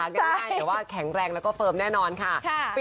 ง่ายแต่ว่าแข็งแรงแล้วก็เฟิร์มแน่นอนค่ะ